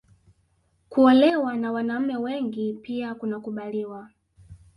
Kuolewa na wanaume wengi pia kunakubaliwa